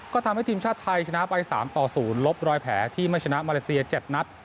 ก็ทำให้ทีมชาติไทยชนะไป๓ต่อ๐ลบรอยแผลที่ไม่ชนะมาเลเซีย๗นัด